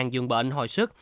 một dường bệnh hồi sức